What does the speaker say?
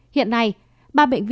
hiện nay ba bệnh viện nhi